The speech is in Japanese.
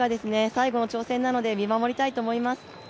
最後の挑戦なので、見守りたいと思います。